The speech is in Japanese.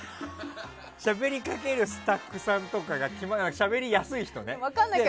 しゃべりかけるスタッフさんとかしゃべりやすい人ね。